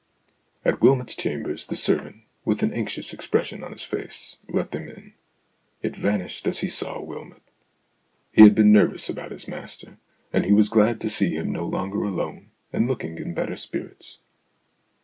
At Wylmot's chambers the servant, with an anxious expression on his face, let them in. It vanished as he saw Wylmot. He had been nervous about his master, and he was glad to see him no longer alone and looking in better spirits.